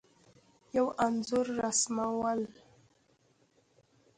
یو انځور رسمول